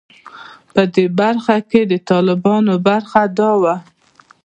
په دې برخه کې د طالبانو برخه دا وه.